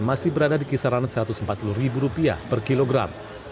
masih berada di kisaran rp satu ratus empat puluh per kilogram